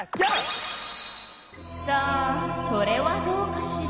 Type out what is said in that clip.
さあそれはどうかしら？